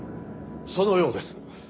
そのようです。